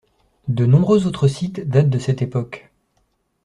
De nombreux autres sites datent de cette époque.